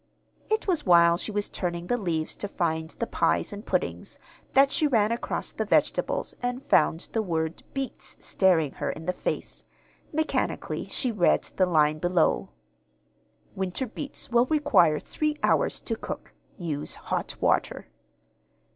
It was while she was turning the leaves to find the pies and puddings that she ran across the vegetables and found the word "beets" staring her in the face. Mechanically she read the line below. "Winter beets will require three hours to cook. Use hot water."